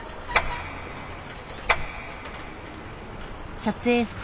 撮影２日目。